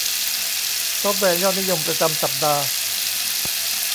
ซอฟต์แวร์ยอดนิยมประจำสัปดาห์